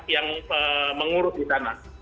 yang mengurus di sana